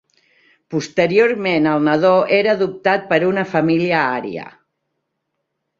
Posteriorment el nadó era adoptat per una família ària.